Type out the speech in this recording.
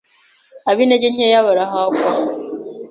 Ab’intege nkeya barahagwa